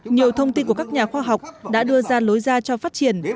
nhiều thông tin của các nhà khoa học đã đưa ra lối ra cho phát triển